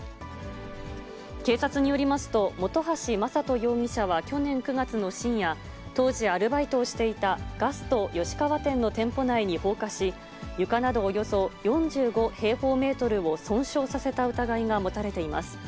警察によりますと、本橋真人容疑者は去年９月の深夜、当時、アルバイトをしていたガスト吉川店の店舗内に放火し、床などおよそ４５平方メートルを損傷させた疑いが持たれています。